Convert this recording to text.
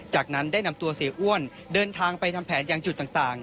จากนั้นได้นำตัวเสียอ้วนเดินทางไปทำแผนยังจุดต่าง